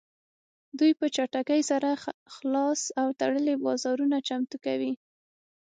دوی په چټکۍ سره خلاص او تړلي بازارونه چمتو کوي